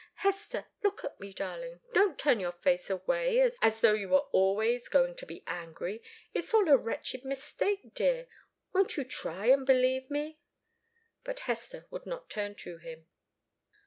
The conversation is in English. Hester, look at me, darling don't turn your face away as though you were always going to be angry it's all a wretched mistake, dear! Won't you try and believe me?" But Hester would not turn to him.